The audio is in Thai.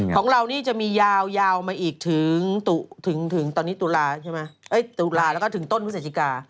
ของเรานี่จะมียาวมาอีกถึงตอนนี้ตุลาใช่ไหมตุลาแล้วก็ถึงต้นพฤศจิกา